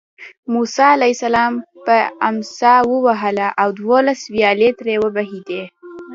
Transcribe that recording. موسی علیه السلام په امسا ووهله او دولس ویالې ترې وبهېدې.